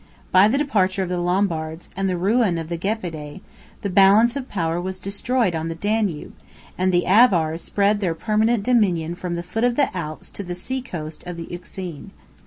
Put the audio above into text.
By the departure of the Lombards, and the ruin of the Gepidae, the balance of power was destroyed on the Danube; and the Avars spread their permanent dominion from the foot of the Alps to the sea coast of the Euxine.